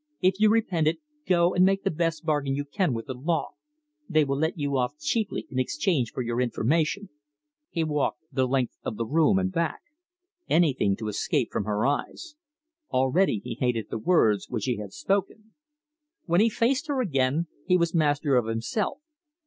If you repent it, go and make the best bargain you can with the law. They will let you off cheaply in exchange for your information!" He walked the length of the room and back. Anything to escape from her eyes. Already he hated the words which he had spoken. When he faced her again he was master of himself.